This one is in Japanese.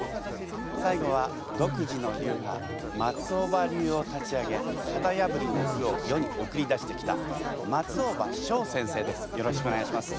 最後は独自の流派松尾葉流を立ち上げ型破りな句を世に送り出してきた松尾葉翔先生です。